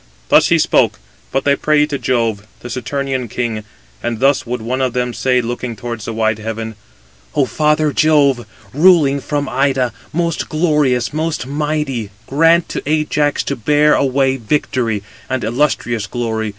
Thus he spoke: but they prayed to Jove, the Saturnian king; and thus would one of them say looking towards the wide heaven: "O father Jove, ruling from Ida, most glorious, most mighty, grant to Ajax to bear away victory, and illustrious glory.